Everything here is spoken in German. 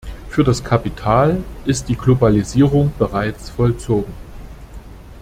Für das Kapital ist die Globalisierung bereits vollzogen.